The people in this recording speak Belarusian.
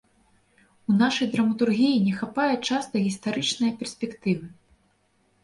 У нашай драматургіі не хапае часта гістарычнае перспектывы.